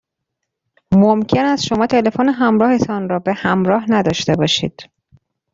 ممکن است شما تلفن همراهتان را به همراه نداشته باشید.